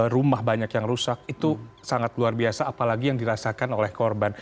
rumah banyak yang rusak itu sangat luar biasa apalagi yang dirasakan oleh korban